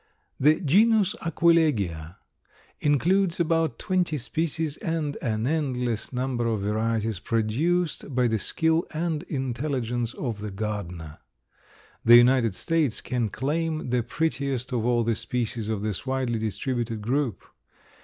The genus Aquilegia includes about twenty species and an endless number of varieties, produced by the skill and intelligence of the gardener. The United States can claim the prettiest of all the species of this widely distributed group.